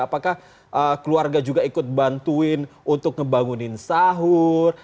apakah keluarga juga ikut bantuin untuk ngebangunin sahur